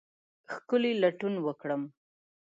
ښکلې لټون وکرم